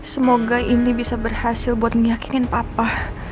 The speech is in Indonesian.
semoga ini bisa berhasil buat meyakinin papa